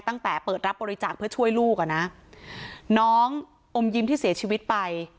ตั้งแต่เปิดรับบริจาคเพื่อช่วยลูกอ่ะนะน้องอมยิ้มที่เสียชีวิตไป